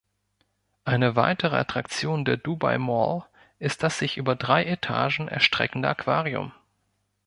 Eine weitere Attraktion der Dubai Mall ist das sich über drei Etagen erstreckende Aquarium.